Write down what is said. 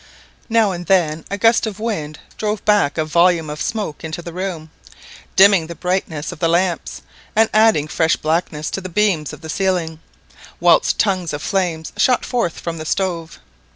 Now and then a gust of wind drove back a volume of smoke into the room, dimming the brightness of the lamps, and adding fresh blackness to the beams of the ceiling, whilst tongues of flame shot forth from the stove.